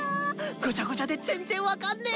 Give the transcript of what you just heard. ごちゃごちゃで全然分かんね。